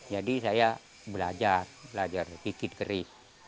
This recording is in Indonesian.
jadi saya belajar belajar sedikit keris